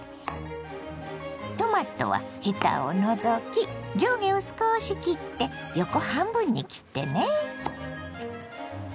トマトはヘタを除き上下を少し切って横半分に切ってね。